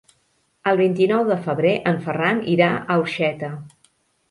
El vint-i-nou de febrer en Ferran irà a Orxeta.